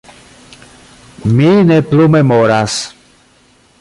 Mi ne plu memoras.